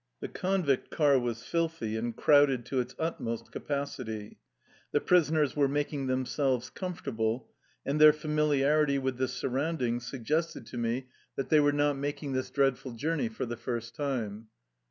The convict car was filthy and crowded to its utmost capacity. The prisoners were making themselves comfortable, and their familiarity with the surroundings suggested to me that they 89 THE LIFE STORY OF A RUSSIAN EXILE were not making this dreadful journey for the first time.